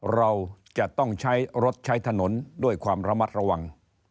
เราจะต้องใช้รถใช้ถนนด้วยความระมัดระวัง